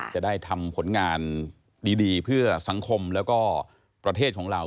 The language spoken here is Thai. จะได้ทำผลงานดีเพื่อสังคมแล้วก็ประเทศของเรา